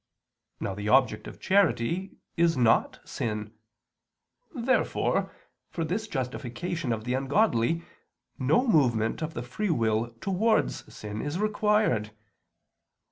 Now the object of charity is not sin. Therefore for this justification of the ungodly no movement of the free will towards sin is required.